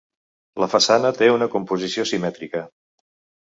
La façana té una composició simètrica.